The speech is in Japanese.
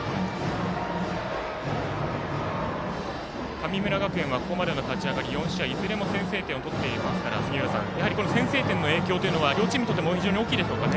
神村学園はここまでの勝ち上がり４試合いずれも先制点を取っていますからやはり先制点の影響というのは両チームにとっても非常に大きいでしょうかね。